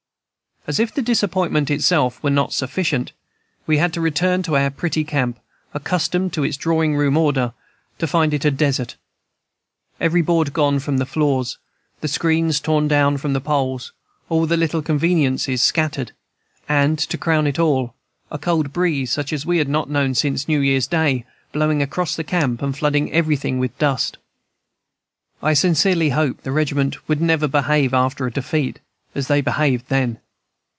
"As if the disappointment itself were not sufficient, we had to return to our pretty camp, accustomed to its drawing room order, and find it a desert. Every board gone from the floors, the screens torn down from the poles, all the little conveniences scattered, and, to crown all, a cold breeze such as we had not known since New Year's Day blowing across the camp and flooding everything with dust. I sincerely hope the regiment would never behave after a defeat as they behaved then.